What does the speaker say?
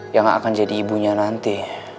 yang akan jadi ibunya nanti